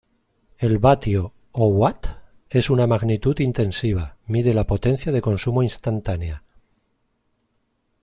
El vatio —o "watt"— es una magnitud intensiva: mide la potencia de consumo instantánea.